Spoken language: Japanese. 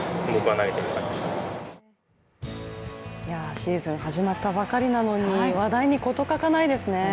シーズン始まったばかりなのに話題に事欠かないですね。